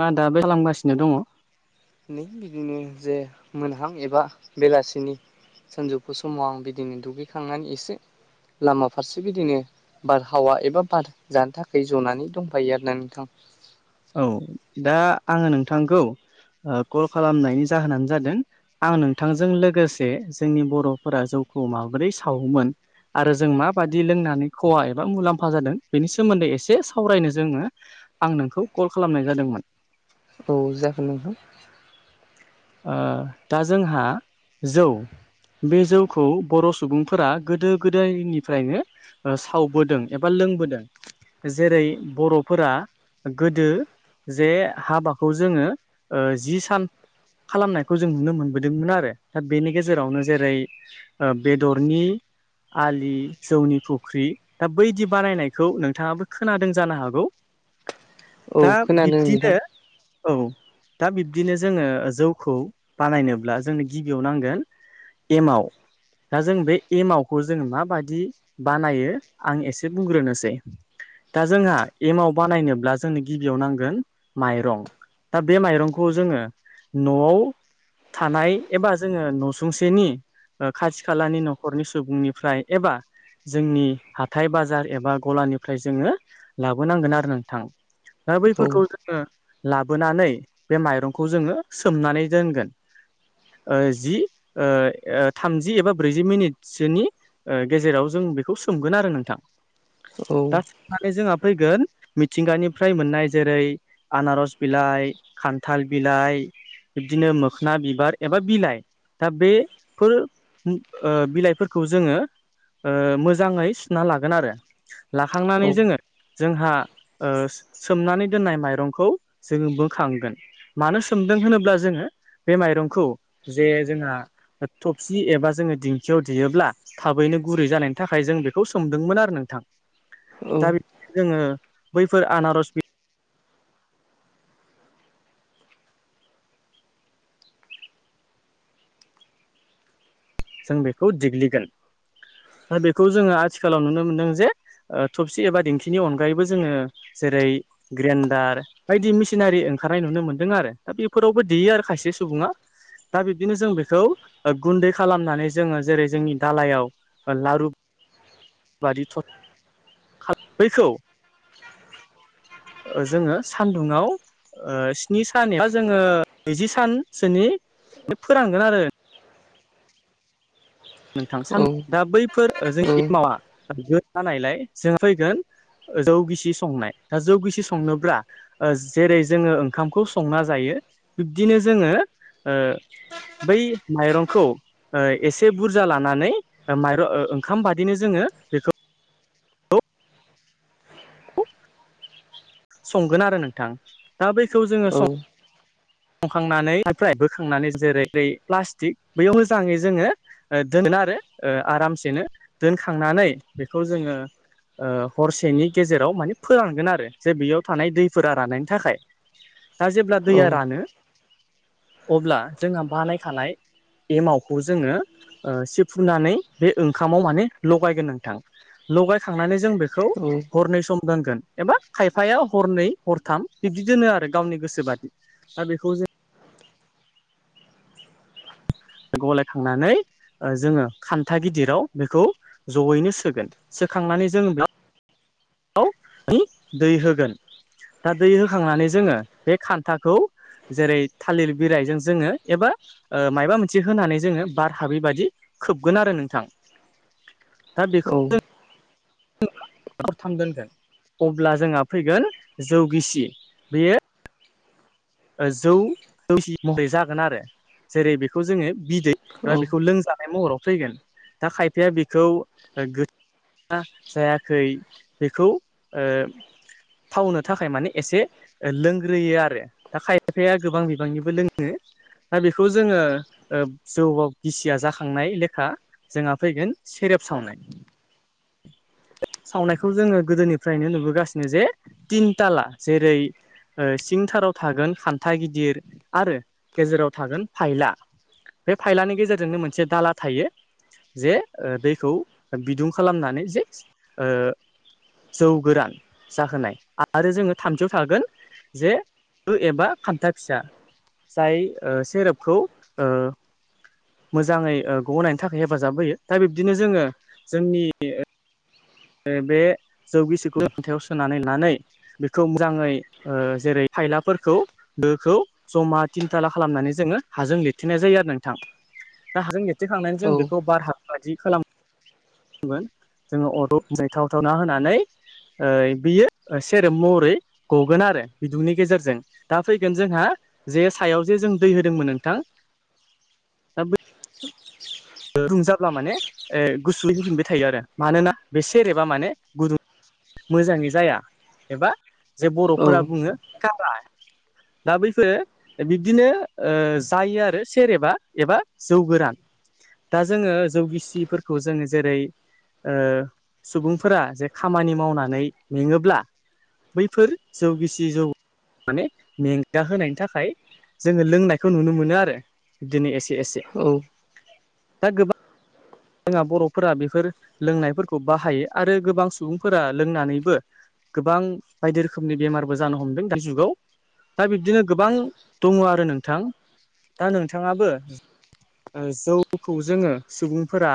नङा दाबो खालामगासिनो दङ। नै बिदिनो जे मोनहां एबा बेलासिनि सानजौफु समाव आं बिदिनो दुगैखांनानै एसे लामा फारसे बिदिनो बारहावा एबा बार जानो थाखाय जनानै दंफायो आरो ना नोंथां औ दा आङो नोंथांखौ कल खालामनायनि जाहोनानो जादों आं नोंथांजों लोगोसे जोंनि बर'फोरा जौखौ माबोरै सावोमोन आरो जों माबादि लोंनानै खहा एबा मुलाम्फा जादों बेनि सोमोन्दै एसे सावरायनो जोङो आं नोंखौ कल खालामनाय जादोंमोन। औ जागोन नोंथां। दा जोंहा जौ बे जौखौ बर' सुबुंफोरा गोदो गोदायनिफ्रायनो सावबोदों एबा लोंबोदों। जेरै बर'फोरा गोदो जे हाबाखौ जोङो ओ जि सान खालामनायखौ जों नुनो मोनबोदोंमोन आरो दा बेनि गेजेरावनो जेरै बेदरनि आलि जौनि फुख्रि दा बैदि बानायनायखौ नोंथाङाबो खोनादों जानो हागौ। औ दा खोनादों नोंथां बिब्दिनो औ दा बिब्दिनो जोङो। जौखौ बानायनोब्ला जोंनो गिबियाव नांगोन एमाव दा जों बे एमावखौ जों माबादि बानायो आं एसे बुंग्रोनोसै दा जोंहा एमव बानायनोब्ला जोंनो गिबियाव नांगोन माइरं दा बे माइरंखौ जोङो न'आव थानाय एबा जोङो न'सुंसेनि ओ खाथि खालानि न'खरनि सुबुंनिफ्राय एबा जोंनि हाथाय बाजार एबा गलानिफ्राय जोङो लाबोनांगोन आरो नोंथां। दा औ बैफोरखौ जोङो लाबोनानै बे माइरंखौ जोङो सोमनानै दोनगोन। ओ जि थामजि एबा ब्रैजि मिनिटसोनि गेजेराव जों बेखौ सोमगोन आरो नोंथां। औ [unintelligible] जोंहा फैगोन मिथिंगानिफ्राय मोननाय जेरै आनारस बिलाइ खान्थाल बिलाइ। बिबदिनो मोखोन बिबार एबा बिलाइ। दा बेफोर ओ बिलाइफोरखौ जोङो ओ मोजाङै सुना लागोन आरो औ लाखांनानै जोङो जोंहा सोमनानै दोननाय माइरंखौ जोङो बोखांगोन मानो सु सोमदों होनोब्ला जोङो बे माइरंखौ जे जोंहा थफसि एबा जोङो दिंखियाव देयोब्ला थाबैनो गुरै जानायनि थाखाय जों बेखौ सोमदोंमोन आरो नोंथां। औ दा बेखौ जोङो बैफोर आनारस बि जों बेखौ दिेग्लिगोन दा बेखौ जोङो आथिखालाव नुनो मोनदों जे थबसि एबा दिेंखिनि अनगायैबो जोङो जेरै ग्रेन्डार। बायदि मिसिनारि ओंखारनाय नुनो मोन्दों आरो दा बेफोरावबो देयो आरो खायसे सुबुङा। दा बिब्दिनो जों बेखौ गुन्दै खालामनानै जोङो जेरै जोंनि दालायाव लारु बारि थद [unintelligible] बैखौ ओ जोङो सान्दुङाव ओ स्नि सान बा जोङो नैजि सानसोनि फोरानगोन आरो नोंथां सान औ दा बैफोरओ जों औ एमावा गो जानायलाय जों फैगोन जौ गिसि संनाय दा जौ गिसि संनोब्रा जेरै जोङो ओंखामखौ संना जायो बिब्दिनो जोङो ओ बै माइरंखौ ओ एसेब बुरजा लानानै ओ मायरं ओ ओंखाम बादिनो जोङो बेखो संगोन आरो नोंथां दा बैखौ जोङो औ सं संखांनानै निफ्राय बोखांनानै जेरै बै प्लास्टिक बेयाव मोजाङै जोङो ओ दोनगोन आरो ओ आरामसेनो दोनखांनानै बेखौ जोङो हरसेनि गेजेराव माने फोरानगोन आरो जे बेयाव थानाय दैफोरा रानायनायनि थाखाय दा जेब्ला दैया औ औ रानो अब्ला जोंहा बानायखानाय एमावखौ जोङो सिफुनानै बे ओंखामाव माने लगायगोन नोंथां। लगायखांनानै जों बेखौ औ हरनै सम दोनगोन एबा खायफाया हरनै हरथाम बिब्दि दोनो आरो गावनि गोसो बादि। दा बे जों गलायखांनानै। जोङो खान्था गिदिराव बेखौ जयैनो सोगोन सोखांनानै जोङो बेयाव [unintelligible] दै होगोन दा दै होखांनानै जोङो बे खान्थाखौ जेरै थालिर बिरइजों जोङो एबा मायाबा मोनसे होनानै जोङो बार हाबि बादि खोबगोन आरो नोंथांष [unintelligible] औ [unintelligible] अब्ला जोंहा फैगोन जौगिसि बेयो ओ जौ गिसि महरै जागोन आरो जेरै बेखौ जोङो बिदै औ एबा बेखौ लोंजानाय महराव फैगोन। दा खायफाया बेखौ ओ गो [unintelligible] जायाखै बेखौ ओ थावनो थाखाय माने एसे लोंग्रोयो आरो। दा खायफाया गोबां बिबांनिबो लोङो दा बेखौ जोङो जौ गिसिया जाखांनाय लेखा जोंहा फैगोन सेरेब सावनाय सावनायखौ जोङो गोदोनिफ्रायनो नुबोगासिनो जे थिनथाला जेरै सिंथाराव थागोन खान्था गिदिर आरो गेजेराव थागोन फायला बे फायलानि गेजेरजोंनो मोनसे दाला थायो जे दैखौ बिदुं खालामनानै जे ओ जौ गोरान जाहोनाय आरो जोङो थामथियाव थागोन जे दो एबा खान्था फिसा। जाय ओ सेरपखौ ओ मोजाङै गग'नायनि थाखाय हेफाजाब होयो दा बिब्दिनो जोङो जोंनि बे जौगिसिखौ फिथायाव सोनानै नानै बेखौ मोजाङै जेरै थायलाफोरखौ दोखौ जमा थिनथाला खालामनानै जोङो हाजों लिरथनाय जायो आरो नोंथां। दा हाजों लिर थेखांनानै जों बेखौ बार हा बायदि खालामोन जोङो जायथाव थावना होनानै बियो सेरेब महरै गगोन आरो बिदुंनि गेजेरजों। दा फैगोन जोंहा जे सायाव जे जों दै होदोंमोन नोंथां। ‌ गुदुं जाब्ला माने गुसुयै होफिनबाय थायो आरो मानोना बे सेरेबा माने गुदुं मोजाङै जाया एबा जे बर'फोरा बुङो। दा बै फोरो बिब्दिनो ओ जायो आरो सेरेबा एबा जौ गोरान। दा जोङो जौगिसिफोरखौ जोङो जेरै ओ सुबुंफोरा जे खामानि मावनानै मेङोब्ला बैफोर जौ गिसि जौ माने मेंगा होनायनि थाखाय जोङो लोंनायखौ नुनो मोनो आरो बिदिनो एसे एसे औ। दा गोबां जोंहा बर'फोरा बेफोर लोंनायफोरखौ बाहायो आरो गोबां सुबुंफोरा लोंनानैबो गोबां बायदि रोखोमनि बेमारबो जानो हमदों दानि जुगाव दा बिब्दिनो गोबां दङ आरो नोंथां दा नोंथाङाबो जौखौ जोङो सुबुं फोरा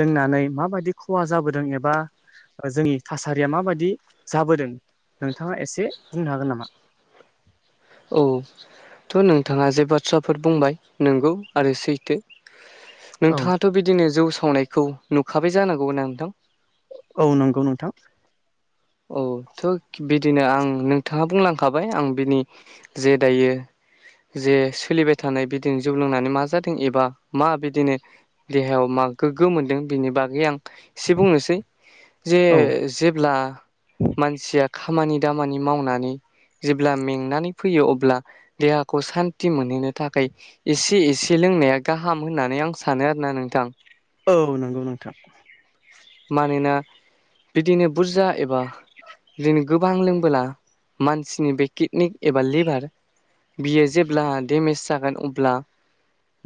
लोंनानै माबायदि खहा जाबोदों एबा ओ जोंनि थासारिया माबायदि जाबोदों नोंथाङा एसे बुंनो हागोन नामा? औ थ' नोंथाङा जे बाथ्राफोर बुंबाय नंगौ आरो सैथो। औ नोंथाङाथ' बिदिनो जौ सावनायखौ नुखाबाय जानांगौ ना नोंथां? औ नोंगौ नोंथां। औ थ' बिदिनो आं नोंथाङा बुंलांखाबाय आं बिनि जे दायो जे सोलिबाय थानाय बिदिनो जौ लोंनानै मा जादों एबा मा बिदिनो देहायाव मा गोग्गो मोनदों बिनि बागै आं एसे बुंनोसै जे औ जेब्ला मानसिया खामानि दामानि मावनानै जेब्ला मेंनानै फैयो अब्ला देहाखौ सान्थि मोनहैनो थाखाय एसे एसे लोंनाया गाहाम होननानै आं सानो आरो ना नोंथां। औ नंगौ नोंथां। मानोना बिदिनो बुरजा एबा दिदिनो गोबां लोंबोला मानसिनि बे किडनि एबा लिभार बियो जेब्ला डेमेज जागोन अब्ला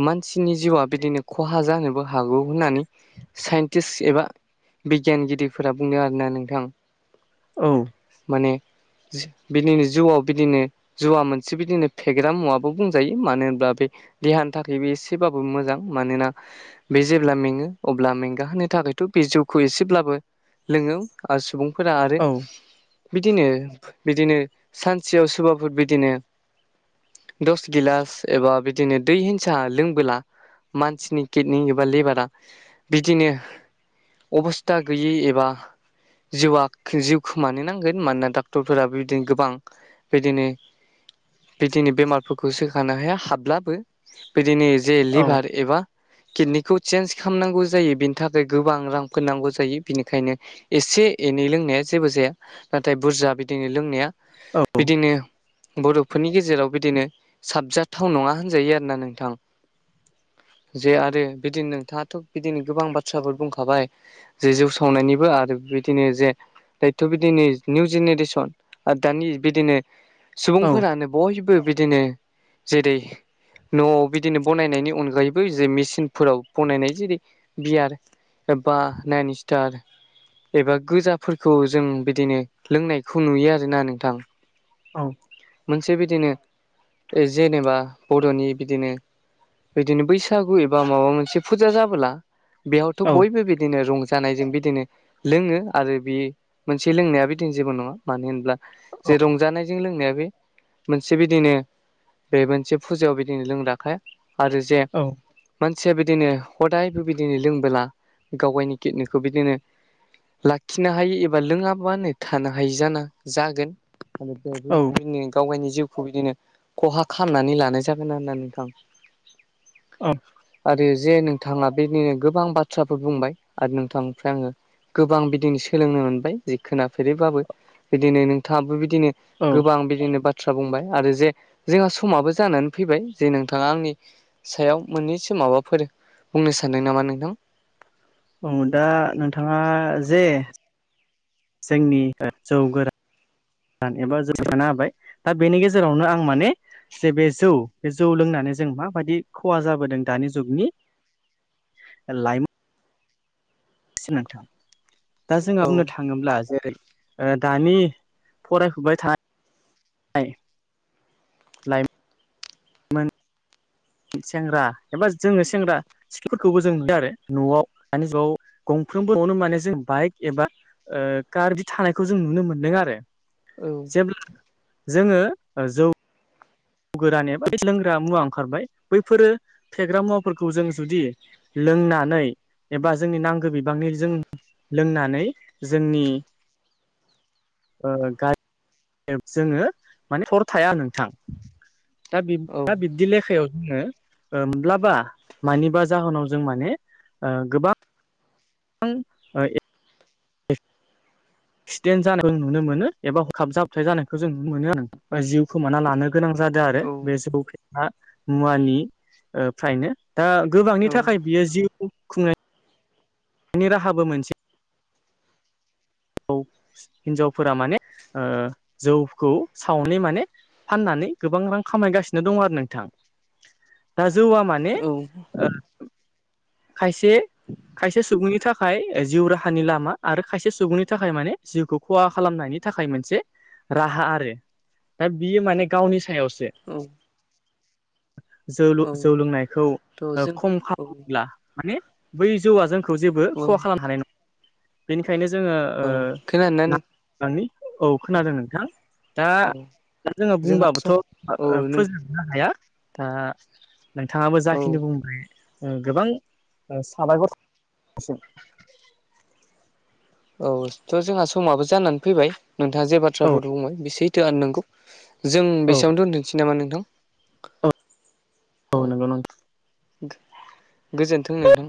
मानसिनि जिउआ बिदिनो खहा जानोबो हागौ होननानै साइन्टिस्ट एबा बिगियानगिरिफोरा बुंदों आरोना नोंथां। औ। माने बिदिनो जिउआव बिदिनो जौवा मोनसे बिदिनो फेग्रा मुवाबो बुंजायो मानो होनब्ला बे देहानि थाखायबो एसेबाबो मोजां मानोना बे जेब्ला मेङो अब्ला मेंगाहोनो थाखायथ' बे जौखौ एसेब्लाबो लोङो आरो सुबुंफोरा आरो औ बिदिनो बिदिनो सानसेयाव सोरबाफोर बिदिनो दस गिलास एबा बि दिनो दै हिंसा लोंबोला मानसिनि किडनि एबा लिभारा बिदिनो अबस्था गैयि एबा जिउआ जिउ खोमानो नांगोन मानोना डाक्टरफोराबो बिदिनो गोबां बिदिनो बिदिनो बेमारफोरखौ सोखानो हाया हाब्लाबो बिदिनो जे औ लिभार एबा किडनिखौ चेन्ज खालामनांगौ जायो बेनि था खाय गोबां रांफोर नांगौ जायो बिनिखायनो एसे एनै लोंनाया जेबो जाया। नाथाय बुरजा बिदिनो लोंनाया बिदिनो बर'फोरनि गेजेराव बिदिनो साबजाथाव नङा होनजायो आरोना नोंथां। जे आरो बिदिनो नोंथाङाथ' बिदिनो गोबां बाथ्राफोर बुंखाबाय जि जौ सावनायनिबो आरो बिदिनो जे दायथ' बिदिनो निउ जेनेरेसन आरो दानि बिदिनो औ सुबुंफोरानो बयबो बिदिनो जेरै न'आव बिदिनो बनायनायनि अनगायैबो जे मेचिनफोराव बनायनाय जेरै बियार बा नाइन सिटार एबा गोजाफोरखौ जों बिदिनो लोंनायखौ नुयो आरोना नोंथां। औ। मोनसे बिदिनो जेनेबा बर'नि बिदिनो बिदिनो बैसागु एबा माबा मोनसे फुजा जाबोला बेयावथ' औ बयबो बिदिनो रं जानायजों बिदिनो लोङो आरो बि मोनसे लोंनाया बिदिनो जेबो नङा मानो होनब्ला जे रंजानायजों लोंनाया बे मोनसे बिदिनो बे मोनसे फुजायाव बिदिनो लोंग्राखा आरो जे मानसिया बिदिनो खदायबो बिदिनो लोंबोला गाव गावनि किडनिखौ बिदिनो लाखिनो हायि एबा लोङाबानो थानो हायि जाना जागोन। औ गावगायनि जिउखौ बिदिनो खहा खामनानै लानाय जागोन आरोना नोंथां। ओ। आरो जे नोंथाङा बेदिनो गोबां बा बाथ्राफोर बुंबाय आरो नोंथांनिफ्राय आङो गोबां बिदिनो सोलोंनो मोनबाय जे खोनाफेरैबाबो बिदिनो नोंथाङाबो बिदिनो औ गोबां बिदिनो बा थ्रा बुंबाय आरो जे जोंहा समाबो जानानै फैबाय जे नोंथाङा आंनि सायाव मोननैसो माबाफोर बुंनो सानदों नामा नोंथां? अ दा नोंथाङा जे जोंनि जौ गोरा न एबा जौ [unintelligible] बाय दा बेनि गेजेरावनो आं माने जे बे जौ बे जौ लोंनानै जों माबायदि खहा जाबोदों दानि जुगनि लाइमोन [unintelligible] नोंथां। दा जोंहा औ बुंनो थाङोब्ला जेरै ओ दानि फरायफुबाय थानाय मोन सेंग्रा एबा जोङो सेंग्रा सिख्लाफोरखौबो जों नुदों आरो। न'आव दानि जुगाव गंफ्रोमबो न'आनो माने जों बाइक एबा ओ कार बिदि थानायखौ जों नुनो मोनदों आरो। औ जेब्ला जोङो जौ गोरान एबा बेबादि लोंग्रा मुवा ओंखारबाय बैफोरो फेग्रा मुवाफोरखौ जों जुदि लोंनानै एबा जोंनि नांगौ बिबांनि जों लोंनानै जोंनि ओ गारि जोङो माने हर थाया नोंथां। दा बिब औ दा बिब्दि लेखायाव जोङो म्लाबा मानिबा जाहोनाव जों माने ओ गोबां थां ओ ए सिडेन्ट जानायखौ जों नुनो मोनो एबा हरखाब जाबथाय जानायखौ जों नुनो मोनो आरो नोंथां। जिउ खोमाना लानो गोनां जादों आरो औ बे जौ फेना मुवानि ओ फ्रायनो। दा गोबांनि औ थाखाय बियो जिउ खुंनाय नि राहाबो मोनसे हिनजावफोरा माने ओ जौखौ सावनै माने फाननानै गोबां रां खामायगासिनो दं आरो नोंथां। दा जौआ माने ओ खायसे खायसे सुबुंनि थाखाय जिउ राहानि लामा आरो खायसे सुबुंनि थाखाय माने जिउखौ खहा खालामनायनि थाखाय मोनसे राहा आरो। दा बियो माने गावनि सायावसो उम जौलु जौ लोंनायखौ थ' ओ जों खम खा औ माने बै जौआ जोंखौ जेबो औ खहा खालामनो हानाय नङा। बेनिखायनो जोङो ओ खोनादोंना नों नानि औ खोनादों नोंथां। दा औ दा जोङो जोंहा बुंबाबोथ' औ नों फोजों जोबनो हाया। ओ नोंथाङाबो औ जाखिनि बुंबाय गोबां साबायखर [unintelligible] औ थ' जोंहा समाबो जानानै फैबाय। नोंथाङा जे औ बाथ्राफोर बुंबाय बि सोैथो आरो नोंगौ। जों औ बेसेयावनो दोनथनसै नामा नोंथां? औ औ नोंगौ नोंथां। गोजोनथों नोंथां।